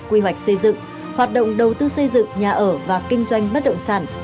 quy hoạch xây dựng hoạt động đầu tư xây dựng nhà ở và kinh doanh bất động sản